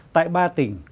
tại ba tỉnh